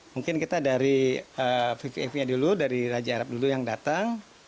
mungkin kita dari vvip nya dulu dari raja arab dulu yang datang